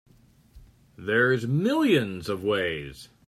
There's millions of ways.